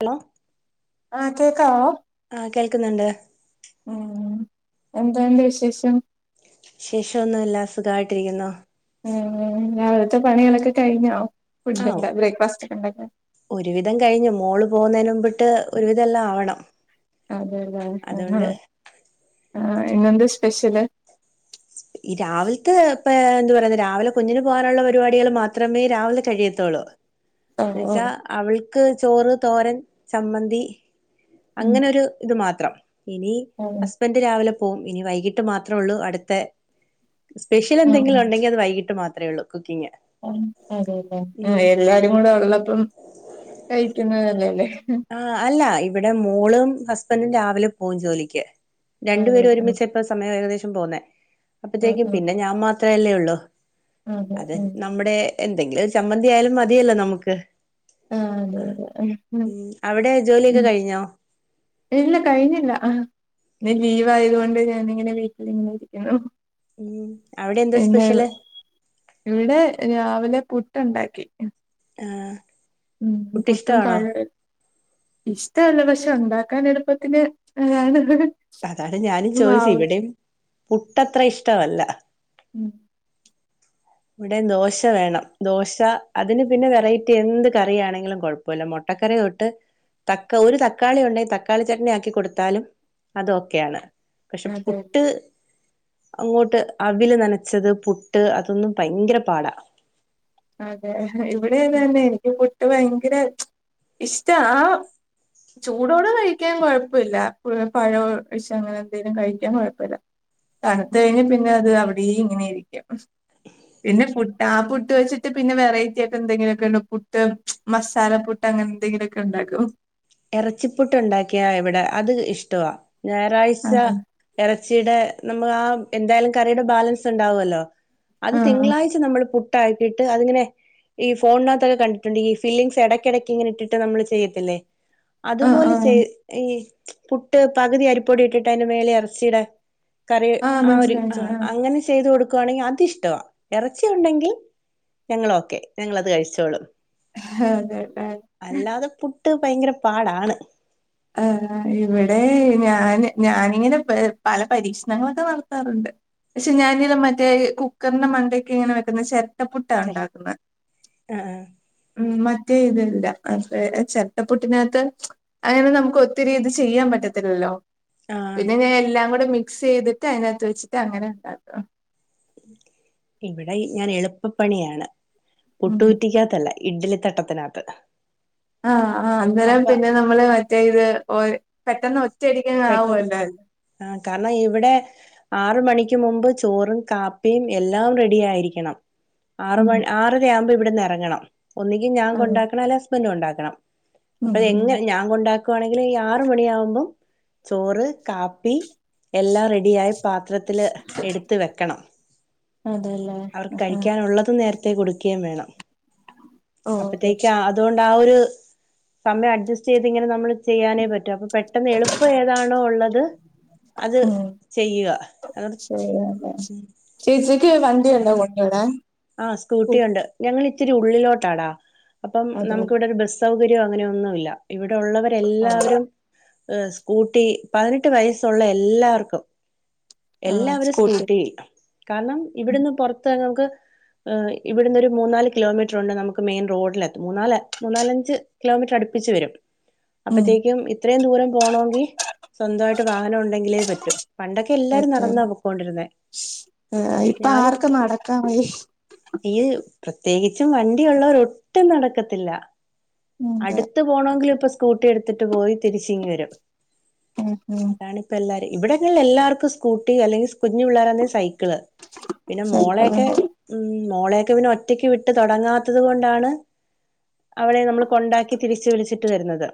Hello. ആഹ് കേക്കാവോ? ആഹ് കേൾക്ക്ന്ന്ണ്ട്. ഉം എന്തുണ്ട് വിശേഷം? വിശേഷൊന്നുല്ല സുഖായിട്ടിരിക്കുന്നു. ഉം രാവിലത്തെ പണികളൊക്കെ കയിഞ്ഞോ? ആ ഫുഡ്ഡ്ന്റെ ബ്രേക്ക്ഫാസ്റ്റൊക്കെ ഇണ്ടാക്കാൻ? ഒരുവിധം കഴിഞ്ഞു. മോള് പോന്നേന് മുമ്പ് ട്ട് ഒരുവിധെല്ലം ആവണം. അതെല്ലേ അതുകൊണ്ട് ആഹ് ആഹ് ഇന്നെന്ത് സ്പെഷ്യല്? ഈ രാവിൽത്തെ ഇപ്പ എന്ത് പറയുന്നേ രാവിലെ കുഞ്ഞിന് പോവാനുള്ള പരിപാടികൾ മാത്രമേ രാവില കഴിയത്തുള്ളൂ. എന്ന് ഓഹ് വെച്ചാ, ഓഹ് അവൾക്ക് ചോറ് തോരൻ ചമ്മന്തി ഉം അങ്ങനൊരു ഇത് മാത്രം. ഇനി ഉം ഹസ്ബൻ്റ് രാവിലെ പോവും ഇനി വൈകിട്ട് മാത്രൊള്ളൂ അട്ത്തെ ആഹ് സ്പെഷ്യലെന്തെങ്കിലും ഉണ്ടെങ്കി അത് വൈകിട്ട് മാത്രേള്ളൂ കുക്കിങ്ങ് ആഹ് അതെല്ലെ. ആഹ് എല്ലാരുകൂടെ ഉള്ളപ്പം കഴിക്കുന്നത് നല്ലേല്ലേ ആഹ്, അല്ല ഇവിടെ മോളും ഹസ്ബൻ്റും രാവിലെ പോവും ജോലിക്ക്. രണ്ടു അതെ പേരും ആഹ് ഒരുമിച്ചെ ത്ര സമയം ഏകദേശം പോന്നേ, ആഹ് അപ്പത്തേയ്ക്കും ആഹ് പിന്നെ ഞാൻ മാത്രെ അല്ലേ ഉള്ളൂ. അതെ അത് ഉം നം മ്മുടെ എന്തെങ്കിലൊരുചമ്മന്തിയായാലും മതിയല്ലോ നമുക്ക്. ആഹ്, അതെ അതെ ഉം, അവടെ ജോലിയൊക്കെ ഉം കഴിഞ്ഞോ? ഇല്ല കഴിഞ്ഞില്ല. അഹാ ഇന്ന് ലീവായതു കൊണ്ട് ഞാനിങ്ങനെ വീട്ടിലിങ്ങനെ ഇരിക്ക്ണു. ഉം, അവിടെ എന്താ സ്പെഷ്യല്? ഇവിടെ രാവിലെ പുട്ടുണ്ടാക്കി. ആഹ്. ഉം, ഉം പുട്ട് പുട്ടും ഇഷ്ടമാണോ പഴോര്ന്ന് ഇഷ്ടവല്ല പക്ഷെ ഉണ്ടാക്കാനെളുപ്പത്തിന് [unintelligible] ആണ് അതാണ് ഞാനും ചോയിച്ചേ ഇവിടെയും പുട്ടത്ര ഇഷ്ടവല്ല. ഉം ഇവിടെ ദോശ വേണം. ദോശ അതിന് പിന്നെ വെറൈറ്റി എന്ത് കറിയാണെങ്കിലും കൊഴപ പ്പൊല്ല. മൊട്ടക്കറി തൊട്ട് തക്ക ഒരു തക്കാളി ഉണ്ടെയി തക്കാളി ചട്നിയാക്കി കൊട്ത്താലും അതോക്കെയാണ്. പക്ഷെ അതെ പുട്ട് അങ്ങോട്ട് അവില് നനച്ചത് പുട്ട് അതൊന്നും ഭയങ്കര പാടാ അതെ ഇവിടിം അങ്ങൻന്നെണ്. എനിക്ക് പുട്ട് ഭയങ്കര ഇഷ്ടാ ആ ചൂടോട് കഴിക്കാൻ കൊഴപ്പൊ ഇല്ല, പഴോം കൊയ്ച്ചങ്ങനെ എന്തേലും കഴിക്കാൻ കൊഴപ്പല്ല തണുത്തയിഞ്ഞ പിന്നെ അത് അവി [unintelligible] ഇങ്ങനെരിക്കും. പിന്നെ പുട്ട് ആ പുട്ട് വെച്ച് ട്ട് പിന്നെ വെറൈറ്റി ആയിട്ട് എന്തെങ്കിലൊക്കെണ്ട പുട്ട്, മസാല പുട്ട് അങ്ങനെന്തെങ്കിലുക്കെ ഉണ്ടാക്കു എറച്ചിപ്പുട്ടുണ്ടാക്കിയാ ഇവിടെ അത് ഇഷ്ടവാ ആ ഞായറാഴ്ച ഇറച്ചിടെ നമ്മ ആ എന്തായാലും കറിയുടെ ബാലൻസ്ണ്ടാവൊല്ലോ അത് ആ തിങ്കളാഴ്ച നമ്മള് പുട്ടാക്കിയിട്ട് അതിങ്ങനെ ഈ ഫോണിനാത്തൊക്കെ കണ്ടിട്ടുണ്ട് ഈ ഫില്ലിംഗ്സ് എടക്കെടയ്ക്ക് ഇങ്ങന ഇിട്ട്ട്ട് നമ്മള് ചെയ്യത്തില്ലേ ആ ആ അതുപോലെ ചെയ് ഈ പുട്ട് പകുതി അരിപ്പൊടി ഇട്ടിട്ട് അയിന്റെ മേലെ എറച്ചിടാ കറി ആ ആഹ് ഒര് മനസ്സിലായി ആഹ് മനസ്സിലായി അങ്ങനെ ചെയ്ത് കൊടുക്കുവാണെങ്കി അതിഷ് ഷ്ടവാ, എറച്ചി ഉണ്ടെങ്കി ഞങ്ങളോക്കെ. ഞങ്ങളത് കഴിച്ചോളും അതെ ട്ടേ അല്ലാതെ പുട്ട് ഭയങ്കര പാടാണ്. ആഹ്, ഇവിടെ ഞാന് ഞാനിങ്ങനെ പല പരീക്ഷണങ്ങളൊക്കെ നടത്താറുണ്ട്. പക്ഷെ ഞാനീല മറ്റേ കുക്കർന്റെ മണ്ടയ്ക്ക് ഇങ്ങനെ വെക്കുന്ന ചെര് ട്ടപ്പുട്ടാ ഉണ്ടാക്കുന്നേ ആ ഉം, മറ്റേ ഇതല്ല അപ്പെ ചെരട്ടപ്പുട്ടിനാത്ത് അങ്ങനെ നമുക്ക് ഒത്തിരി ഇത് ചെയ്യാൻ പറ്റത്തില്ലല്ലോ. ആ പിന്നെ ഞാൻ എല്ലാകൂടെ മിക് സെയ്തിട്ട് അയ്നാത്ത് വെച്ചിട്ട് അങ്ങനെ ഉണ്ടാക്കും. ഇവിടെ ഈ ഞാന് എളുപ്പപ്പണിയാണ്. ഉം പുട്ട് കുറ്റിക്കാത്തല്ല ഇഡ്ഡലിത്തട്ടത്തിനകത്ത് ആഹ്, ആഹ് അന്നേരം പിന്നെ നമ്മള് മറ്റേ ഇത് ഓഹ് പെട്ടെന്ന് ഒറ്റയടിക്കങ്ങ് ആവൂവല്ലാ [unintelligible] ആഹ്, കാരണം ഇവിടെ ആറ് മണിക്ക് മുമ്പ് ചോറും കാപ്പിയുംഎല്ലാം റെഡി ആയിരിക്കണം ആറ് ഉം മണി ആറര ആവുമ്പോൾ ഇവിടന്ന് ഇറങ്ങണം ഒന്നിങ്കി ഞാൻ അതെ കൊണ്ടാക്കണം അല്ലെങ്കി ഹസ്ബൻഡ് കൊണ്ടാക്കണം ഉം ഉം അത്പ്പങ്ങനെ ഞാൻ കൊണ്ടാക്കുവാണെങ്കിൽ ഈഹ് ആറ് മണിയാവുമ്പഴ് ചോറ് കാപ്പി എല്ലാ റെഡിയായി പാത്രത്തില് എടുത്ത് വെക്കണം അതേല്ലേ. അവർക്ക് ആഹ് കഴിക്കാനുള്ളത് നേരത്തെ നേരത്തെ കൊടുക്കുകയും വേണം ഓഹ് അപ്പത്തേക്ക് ശരി അതുകൊണ്ട് ആഹ് ഒരു സമയം അഡ്ജസ്റ്റ് ചെയ്തിങ്ങനെ നമ്മള് ചെയ്യാനേ പറ്റും അപ്പൊ പെട്ടെന്ന് എളു എളുപ്പം ഏതാണോ ഉള്ളത് അത് ഉം ചെയ്യുക അഹ് ശരി അതെ. ചേച്ചിക്ക് വണ്ടി ഉണ്ടോ കൊണ്ട്ടാൻ ആഹ് സ്കൂട്ടിയുണ്ട് ഞങ്ങൾ ഇച്ചിരി ഉള്ളിലോട്ടാടാ അപ്പം അതെ നമുക്ക്‌വിടെ ഒരു ബസ് സൗകര്യം അങ്ങനെയൊന്നുല്ല ഇവിടെ ഉള്ളവര് എല്ലാവരും ഏഹ് സ്കൂട്ടി പതിനെട്ട് വയസ്സുള്ള എല്ലാവർക്കും എല്ലാവരും സ്കൂട്ടി കാരണം ഇവിടന്ന് പുറത്ത് നമുക്ക് ഏഹ് ഇവിടുന്ന് ഒരു മൂന്നാല് കിലോ മീറ്റർ ഉണ്ട് നമുക്ക് മെയിൻ റോഡിലെത്താൻ മൂന്നാല് മൂന്നാലഞ്ച് കിലോമീറ്റർ അടുപ്പിച്ചു വരും. ഉം അപ്പത്തേക്കും ഇത്രയും ദൂരം പോണങ്കി സ്വന്തായിട്ട് വാഹനം ഉണ്ടെങ്കിലേ പറ്റും പണ്ടൊ അറ്റാർ ഏഹ് ഇപ്പൊ ആർക്കും നടക്കാ വയെ ഈഹ് പ്രത്യേകിച്ച് വണ്ടിയുള്ളവരൊട്ടും നടക്കത്തില്ല അടു അതെ അടുത്ത് പോണോങ്കില് ഇപ്പൊ സ്കൂട്ടി എടുത്തിട്ട് പോയി തിരിച്ചിങ്ങി വരും ഉം ഉം അ ഇപ്പ എല്ലാരും ഇവിടെങ്ങള് എല്ലർക്കും സ്കൂട്ടി അല്ലെങ്കിൽ കുഞ്ഞു പിള്ളേരാണെങ്കി സൈക്കിള് പിന്നെ മോളയൊക്കെ സൈക്കിളുണ്ട് ഉം മോളെയൊക്കെ പിന്നെ ഒറ്റക്ക് വിട്ട് തുടങ്ങാത്തത് കൊണ്ടാണ് അവളെ നമ്മൾ കൊണ്ടാക്കി തിരിച്ചു വിളിച്ചിട്ട് വരുന്നത്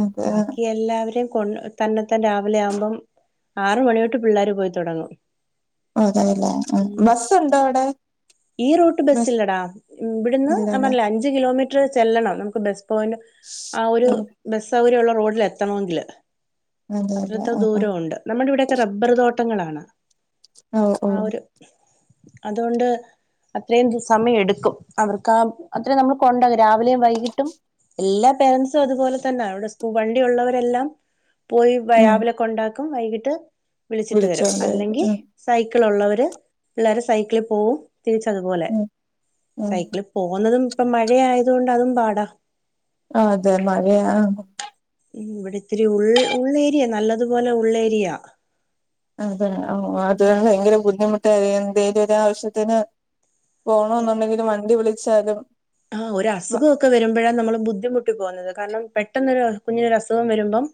അതെ ബാക്കി എല്ലാവരെ കൊണ്ട് തന്നെത്താൻ രാവിലെ ആവുമ്പം ആറ് മണിതൊട്ട് പിള്ളേര് പോയി തൊടങ്ങും അതെല്ലേ ഉം ബസ് ഉണ്ടോ അവിടെ? ഈ റൂട്ട് ബസ്സ് ബസ് ഇല്ലടാ ഇവിടുന്ന് ഇല്ലല്ലേ ഞാപറഞ്ഞല്ലേ അഞ്ചു കിലോമീറ്റർ ചെല്ലണം നമുക്ക് ബസ് പോയിന്റ് ആഹ് ഒരു ബസ് സൗകര്യള്ള റോഡിൽ എത്തണങ്കില് അതെല്ലേ അത്രത്തോളം ആഹ് ആഹ് ദൂരം ഉണ്ട് നമ്മടെ ഇവിടെയൊക്കെ റബ്ബർ തോട്ടങ്ങളാണ് ഓഹ് ആഹ് ഓഹ് ഒരു അതുകൊണ്ട് അത്രയും സമയം എടുക്കും അവർക്ക് ആഹ് അത്ര നമ്മള് കൊണ്ടോകും രാവിലെയും വൈകിട്ടും എല്ലാ പേരൻറ്സും അതുപോലെ തന്നെ അവിടെ സ്കൂട്ടി വണ്ടി ഉള്ളവരെല്ലാം പോയി ഉം രാവിലെ കൊണ്ടാക്കും വൈകിട്ട് വിളിച്ചിട്ട് വരും വിളിച്ചോണ്ട് അല്ലെങ്കി ഉം സൈക്കിൾ ഉള്ളവര് പിള്ളേര് സൈക്കിളിൽ പോവും തിരിച്ചതുപോലെ ഉം ഉം സൈക്കിള് പോന്നതും ഇപ്പം മഴ ആയത് കൊണ്ട് അതും പാടാ ആഹ് അതെ മഴയാ ഉം ഇവിടെ ഇത്തിരി ഉൾ ഉള്ളേരിയ നല്ലതുപോലെ ഉള്ളേരിയ അതെ ഓഹ് അതുകൊണ്ട് ഭയങ്കര ബുദ്ധിമുട്ടാണ് എന്തെലും ഒരു ആവശ്യത്തിന് പോണോന്നുണ്ടെങ്കില് വണ്ടി വിളിച്ചാലും ആഹ് ഒരു അസുഖക്കെ വരുമ്പോഴാണ് നമ്മള് ബുദ്ധിമുട്ടി പോകുന്നത് കാരണം പെട്ടെന്നൊരു കുഞ്ഞിനൊരു അസുഖം വരുമ്പം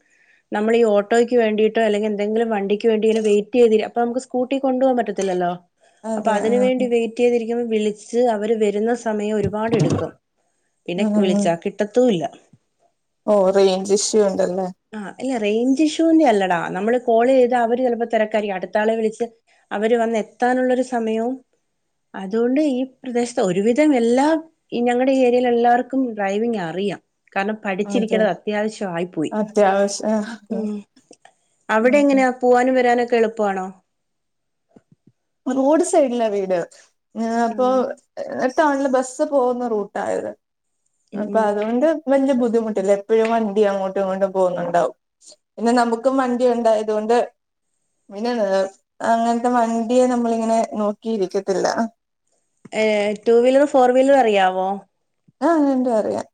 നമ്മള് ഈഹ് ഓട്ടയ്ക്ക് വേണ്ടിട്ട് അല്ലെങ്ക എന്തെങ്കിലും വേണ്ടി വെയിറ്റയിതിരി നമുക്ക് അപ്പം സ്കൂട്ടി കൊണ്ടു പോകൻ പറ്റത്തിലല്ലോ അപ്പൊ അതെ അതിന് ആഹ് വേണ്ടി വെയിറ്റയത് ചെയ്തിരിക്കുമ്പോ വിളിച്ച് അവര് വരുന്ന സമയം ഒരുപാട്‌ടുക്കും പിന്നെ വിളിച്ചാൽ കിട്ടത്തുല്ലാ ഓഹ് റേഞ്ച് ഇഷ്യൂ ഇണ്ടല്ലേ ആഹ് അല്ല റേഞ്ച് ഇഷ്യൂന്റെ അല്ലടാ നമ്മള് കോള് ചെയ്ത് അവര് ചിലപ്പോ തിരക്കായിരിക്കും അടുത്താളെ വിളിച്ച് അവര് വന്ന് എത്താനുള്ളരു സമയവും അതുകൊണ്ട് ഈ പ്രദേശത്ത് ഒരുവിധം എല്ലാം ഈ ഞങ്ങളുടെ ഏരിയയിൽ എല്ലാവർക്കും ഡ്രൈവിങ് അറിയാം കാരണം പഠിച്ചിരിക്കേണ്ടത് അത്യാവശ്യ ആയി പോയി അത്യാവശ്യആഹ് ഉം അവിടെ എങ്ങനെയാ പോവാനും വരാനൊക്കെ എളുപ്പമാണോ റോഡ് സൈഡില വീട് ഞാ ഉം അപ്പൊ ഒരു ടൗണില് ബസ് പോകുന്ന റൂട്ട ഇത് ഉം അപ്പൊ ഉം അതുകൊണ്ട് വലിയ ബുദ്ധിമുട്ടില്ല എപ്പോഴും വണ്ടി അങ്ങോട്ടും ഇങ്ങോട്ടും പോകുന്നുണ്ടാവും പിന്നെ നമുക്ക് വണ്ടി ഉണ്ടായതുകൊണ്ട് പിന്ന [unintelligible] അങ്ങനത്തെ വ ണ്ടിയെ നമ്മളിങ്ങനെ നോക്കിയിരിക്കത്തില്ല ഏഹ് ടു വീലറും ഫോർ വീലറും അറിയാവോ ആഹ് രണ്ടു അറിയാം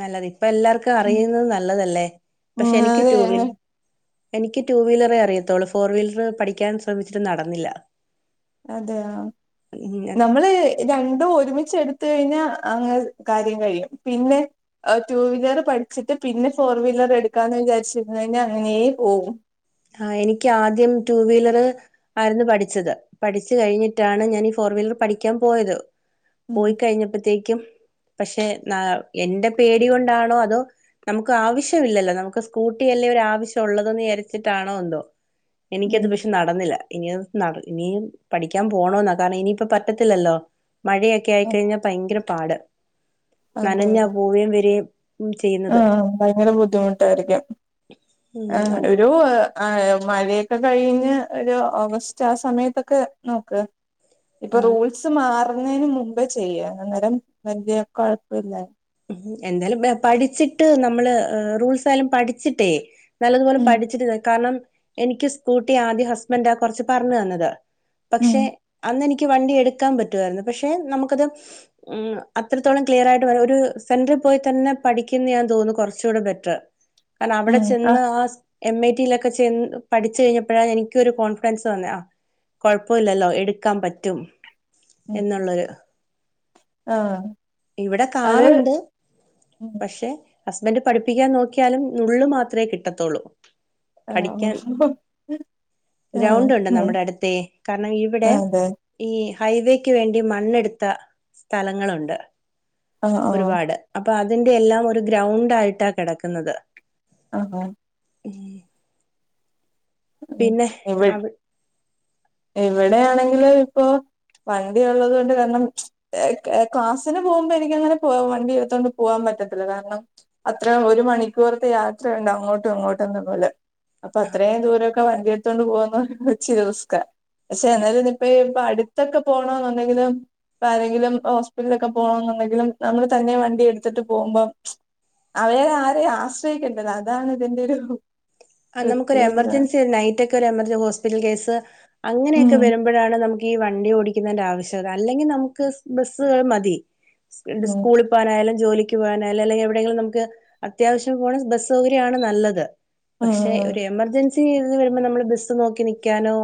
നല്ലത് ഇപ്പൊ എല്ലാർക്കും ഉം അറിയുന്നത് നല്ലതല്ലേ ഉം പക്ഷെ എനിക്ക് അതെ ടുവീലറ് എനിക്ക് ടു വീലറെ അറിയത്തോള്ളൂ ഫോർ വീലർ പഠിക്കാൻ ശ്രമിച്ചിട്ട് നടന്നില്ല അതെയോ നമ്മള് രണ്ടും ഒരുമിച്ച എടുത്ത കഴിഞ്ഞാ അങ്ങെ കാര്യം കഴിയും പിന്നെ ടു വീലർ പഠിച്ചിട്ട് പിന്നെ ഫോർ വീലർ എടുക്കാന്ന് വിചാരിച്ചിരുന്നു കഴിഞ്ഞാൽ അങ്ങനെയ പോവും ആഹ് എനിക്ക് ആദ്യം ടു വീലറ് ആയിരുന്നു പഠിച്ചത് പഠിച്ചു കഴിഞ്ഞിട്ടാണ് ഞാൻ ഈ ഫോർ വീലർ പഠിക്കാൻ പോയത് ഉം പോയി കഴിഞ്ഞപ്പോത്തേക്കും പക്ഷെ ന എന്റെ പേടി കൊണ്ടാണോ അതോ നമുക്ക് ആവശ്യമില്ലല്ലോ നമുക്ക് സ്കൂട്ടി അല്ലേ ഒര് ആവശ്യംള്ളള്ളെന്ന് വിചാരി ച്ച് ട്ടാണോ എന്തോ എനിക്കത് ഉം നടന്നില്ല ഇനി നട ഇനി പഠിക്കാൻ പോണന്നാ കാരണം ഇനിയിപ്പ പറ്റത്തില്ലല്ലോ മഴയൊക്കെ ആയിക്കഴിഞ്ഞാൽ ഭയങ്കര പാട് നനഞ്ഞ അതെല്ലേ പോവയും വരയും ആഹ് ഭയങ്കര ബുദ്ധിമുട്ടായിരിക്കും ആഹ് ഒരു മഴയൊക്കെ കഴിഞ്ഞ് ഒരു ഓഗസ്റ്റ് ആ സമയത്തൊക്കെ നോക്ക് ഇപ്പൊ ഉം റൂൾസ് മാറുന്നതിന് മുമ്പേ ചെയ്യാ അന്നേരം വല്യ കുഴപ്പല്ല എന്തായാലും പഠിച്ചിട്ട് നമ്മള് റൂൾസായാലും പഠിച്ചിട്ടേ നല്ലതുപോലെ ഉം പഠിച്ചിട്ടു കാരണം എനിക്ക് സ്കൂട്ടി ആദ്യം ഹസ്ബന്റാ കുറച്ച് പറഞ്ഞ് തന്നത് ഉം പക്ഷെ അന്ന്നിക്ക് വണ്ടി എടുക്കാൻ പ റ്റുമായിരുന്നു പക്ഷെ നമുക്കത് അത്രത്തോളം ക്ലിയർയിട്ട് ഒരു സെന്ററിൽ പോയി തന്നെ പഠിക്കുന്നേ തോന്നുന്നു കുറച്ചുകൂടെ ബെറ്റർ കാരണം അവിടെ ഉം ചെന്ന് ആഹ് ആ എം ഐ ടിയിലൊക്കെ ച പഠിച്ചു കഴിഞ്ഞപ്പോഴാ എനിക്കൊരു കോൺഫിഡൻസ് വന്ന ആഹ് കുഴപ്പമില്ലല്ലോ എടുക്കാൻ പറ്റും ഉം എന്നുള്ളൊരു ആഹ് ഇവിടെ അത് കാറുണ്ട് ഉം പക്ഷെ ഹസ്ബൻഡ് പഠിപ്പിക്കാൻ നോക്കിയാലും നുള്ള് മാത്രമേ കിട്ടത്തുള്ളൂ പഠിക്കാൻ ആഹ് ഗ്രൗണ്ട് ഉണ്ട് ആഹ് നമ്മുടെ അടുത്ത കാരണം ഇവിടെ അതെ ഈ ഹൈവേക്ക് വേണ്ടി മണ്ണെടുത്ത സ്ഥലങ്ങളുണ്ട് ആഹ് ആഹ് ഒരുപാട് അപ്പൊ അതിന്റെ എല്ലാം ഒരു ഗ്രൗണ്ട് ആയിട്ടാ കിടക്കുന്നത് ആഹ് ആഹ് ഉം ഉം പിന്നെ ഇവി അവി ഇവിടെയാണെങ്കില് ഇപ്പൊ വണ്ടി ഒള്ളത് കൊണ്ട് കാരണം ഏഹ് ഏഹ് ക്ലാസ്സിന് പോകുമ്പോ എനിക്കങ്ങനെ പോ വണ്ടി എടുത്തോണ്ട് പോകാൻ പറ്റത്തില്ല കാരണം അത്രേം ഒരു മണിക്കൂറത്തെ യാത്രയൊണ്ട് അങ്ങോട്ടും അങ്ങോട്ടുംന്ന പോലെ അപ്പൊ അത്രേം ദൂരവൊക്കെ വണ്ടിയെടുത്തൊണ്ട് പോകുന്ന ഇച്ചിരി റിസ്കാ പക്ഷെ എന്നാലും ഇന്നിപ്പ ഇപ്പ അടുത്തൊക്കെ പോണോന്നുണ്ടെങ്കിലും ഇപ്പ ആരെങ്കിലും ഹോസ്പിറ്റലിലൊക്കെ പോണോന്നുണ്ടെങ്കിലും നമ്മള് തന്നെ വണ്ടി എടുത്തിട്ട് പോകുമ്പം അവരെ ആരെം ആശ്രയിക്കേണ്ടല്ലോ അതാണ് ഇതിന്റെ ഒരു ആഹ് നമുക്കൊര് പ്രത്യേകത എമർജൻസി നൈറ്റ് ഒക്കെ ഒരു എമർജൻസി ഹോസ്പിറ്റൽ കേസ് ഉം അങ്ങനെയൊക്കെ വരുമ്പോ വരുമ്പോഴാണ് നമുക്ക് ഈ വണ്ടി ഓടിക്കുന്നതിന്റെ ആവശ്യകത അല്ലെങ്കി നമുക്ക് സ് ബസ്സുകൾ മതി സ് എന്ത് ഉം ഉം സ്കൂളി പോകാനായാലും ജോലിക്ക് പോകാനായാലും അല്ലെങ്കി എവിടെയെങ്കിലും നമുക്ക് അത്യാവശ്യം പോണേ ബസ് സൗകര്യ ആണ് നല്ലത് പക്ഷെ ഉം ഒരു എമർജൻ സി എന്ന് വരുമ്പോ നമ്മള് ബസ്സ് നോക്കി നിക്കാനോ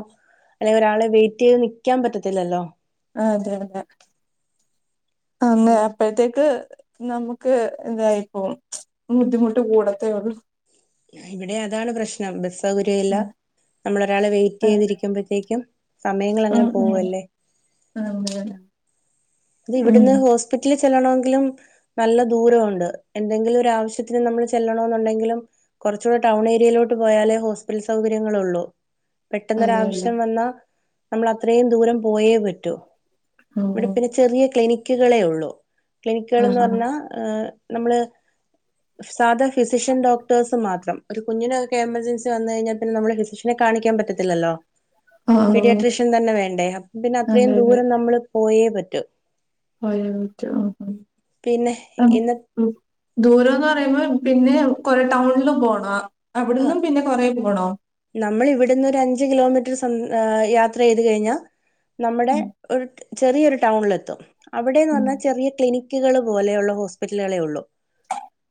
അല്ലെങ്കി ഒരാളെ വെയിറ്റ് ചെയ്ത് നിക്കാൻ പറ്റത്തില്ലല്ലോ ആഹ് അതെ അതെ അങ്ങെ അപ്പഴത്തേക്ക് നമുക്ക് എന്തായിപ്പ ബുദ്ധിമുട്ട് കൂടത്തേ ഒള്ളൂ ഇവിടെ അതാണ് പ്രശ്നം ബസ് സൗകര്യല്ല ഉം നമ്മളൊരാളെ വെയിറ്റ് അതെ ചെയ്തിരിക്കുമ്പോഴത്തേക്കും സമയങ്ങളങ്ങനെ പോകല്ലേ ആഹ് പോകാന് ഇത് ഇവിടുന്ന് ഹോസ്പിറ്റലിൽ ചെല്ലോണെങ്കിലും നല്ല ദൂരവൊണ്ട് എന്തെങ്കിലും ഒരു ആവശ്യത്തിന് നമ്മള് ചെല്ലണോന്നൊണ്ടെങ്കിലും കൊറച്ചൂടെ ടൗണേരിയയിലോട്ട് പോയാലേ ഹോസ്പിറ്റൽ സൗകര്യങ്ങളൊള്ളു അതെ അതെ പെട്ടെന്നൊരാവശ്യം വന്നാ നമ്മളത്രേം ദൂരം പോയേ പറ്റൂ ഓഹ് ഇവിടെ പിന്നെ ചെറിയ ക്ലിനിക്കുകളേ ഒള്ളൂ ക്ലിനിക്കുകളെന്നു ആഹാ പറഞ്ഞാൽ ഏഹ് നമ്മള് സാധാ ഫിസിഷ്യൻ ഡോക്ടേഴ്സ് മാത്രം ഒരു കുഞ്ഞിനൊക്കെ എമർജൻസി വന്നു കഴിഞ്ഞാ പിന്നെ നമ്മള് ഫിസിഷനെ കാണിക്കാൻ പറ്റത്തില്ലല്ലോ ആഹ് പീഡിയട്രിഷ്യൻ തന്നെ വേണ്ടേ അപ്പ പിന്നെ അത്രയും അതെ അതെ ദൂരം നമ്മള് പോയേ പറ്റു പോയെ പറ്റു ആഹ് പിന്നെ ആഹ് ഇന്ന ഉം ദൂരംന്ന് പറയുമ്പോ പിന്നെ കൊറെ ടൗണിലും പോണോ അവിടുംന്നും പിന്നെ കൊറേ പോണോ നമ്മളിവിടുന്ന് ഒരു അഞ്ച് കിലോമീറ്റർ സഞ് യാത്ര ചെയ്ത് കഴിഞ്ഞാ നമ്മുടെ ഉം ഒരു ചെറിയൊരു ടൗണിലെത്തും അവിടെന്ന് ഉം പറഞ്ഞാ ചെറിയ ക്ലിനിക് ക്ക്കൾ പോലെയൊള്ള ഹോസ്പിറ്റല്കളെ ഒള്ളു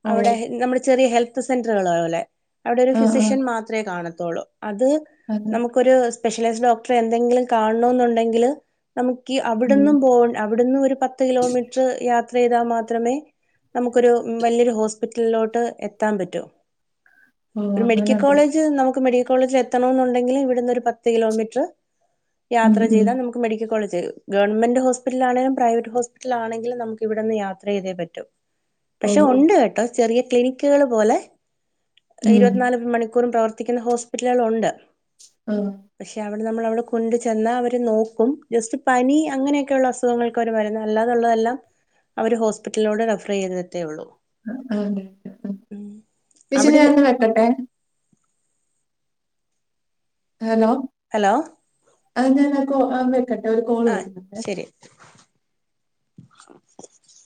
ഓ അവിടെ നമ്മളെ ചെറിയ ഹെൽ ത്ത് സെന്ററുകള് പോലെ അവിടെ ഒരു ആഹ് ഫിസിഷ്യൻ മാത്രമേ കാണത്തൊള്ളൂ അത് അത് പ്പൊരു സ്പെഷ്യലൈസ് ഡോക്ടർ എന്തെങ്കിലും കാണണോന്നുണ്ടെങ്കില് നമുക്കീ ഉം അവിട്ന്നും പോ അവിടുന്ന് ഒരു പത്ത് കിലോമീറ്ററ് യാത്ര ചെയ്താ മാത്രമേ നമുക്കൊരു ഉം വലിയൊരു ഹോസ് റ്റലിലോട്ട് എത്താൻ പറ്റൂ ഓ ഒരു അങ്ങനെ മെഡിക്കൽ ഉണ്ടല്ലേ കോളേജ് നമു നമുക്ക് മെഡിക്കൽ കോളേജിൽ എത്തണോന്നൊണ്ടെങ്കില് ഇവിടുന്ന് പത്ത് കിലോമീറ്റർ ഉം യാത്ര ഉം ചെയ്താ നമു ക്ക് മെഡിക്കൽ കോളജ് ഗവൺെന്റ് ഹോസ്പിറ്റൽ ആണേലും പ്രൈവറ്റ് ഹോസ്പിറ്റലാണങ്കിലും നമുക്ക് ഇവിടുന്ന് യാത്ര ചെയ്തേ പറ്റു ഓ പക്ഷെ ഒണ്ട് കേട്ടോ ചെറിയ ക്ലിനിക്കുകൾ പോലെ ഉം ഇരുപത്തിനാല് മണിക്കൂറും പ്രവർത്തി ത്തിക്കുന്ന ഹോസ്പിറ്റലുകൾ ഒണ്ട് ആഹ് പക്ഷെ അവിടെ നമ്മള് അവിടെ കൊണ്ട ചെന്നാ അവര് നോക്കും ജസ്റ്റ് പനി അങ്ങനെയൊക്കെയുള്ള അസ് [unintelligible] അല്ലാതുള്ളതെല്ലാം അവര് ഹോസ്പിറ്റലിലൂടെ റഫർ ചെയ്തത്തേള്ളൂ [unintelligible] ചേച്ചി അവിടെ ഞാനെന്ന വെക്കട്ടെ. ഹലോ ഹലോ ആഹ് ഞാന് കോള് വെക്കട്ടെ ഒരു കോൾ ആ വരുന്നുണ്ടേ ശരി